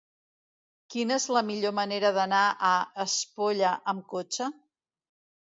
Quina és la millor manera d'anar a Espolla amb cotxe?